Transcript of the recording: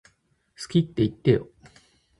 好きって言ってよ